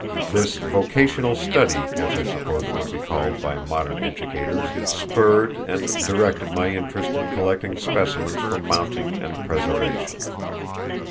This "vocational study," as I suppose it would be called by modern educators, spurred and directed my interest in collecting specimens for mounting and preservation.